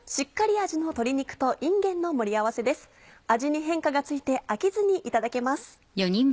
味に変化がついて飽きずにいただけます。